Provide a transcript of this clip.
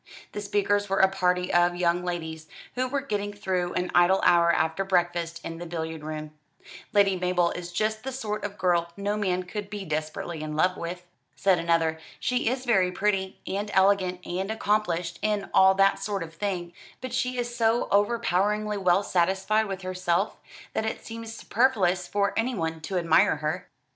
The speakers were a party of young ladies, who were getting through an idle hour after breakfast in the billiard room. "Lady Mabel is just the sort of girl no man could be desperately in love with," said another. "She is very pretty, and elegant, and accomplished, and all that sort of thing but she is so overpoweringly well satisfied with herself that it seems superfluous for anyone to admire her.'